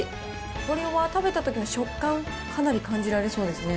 これは食べたときの食感、かなり感じられそうですね。